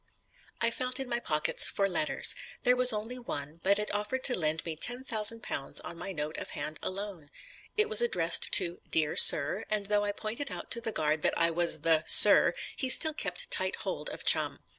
I felt in my pockets for letters. There was only one, but it offered to lend me £10,000 on my note of hand alone. It was addressed to "Dear Sir," and though I pointed out to the guard that I was the "Sir," he still kept tight hold of Chum.